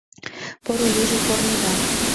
Поро лийже корныда